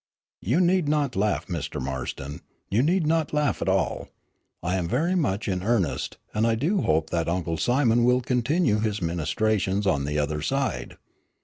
You need not laugh, Mr. Marston, you need not laugh at all. I am very much in earnest, and I do hope that Uncle Simon will continue his ministrations on the other side.